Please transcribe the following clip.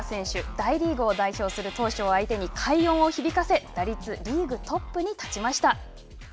大リーグを代表する投手を相手に快音を響かせ打率リーグトップに立ちました。